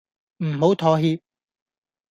唔好妥協